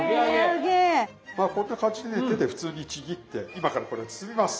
まあこんな感じでね手で普通にちぎって今からこれを包みます。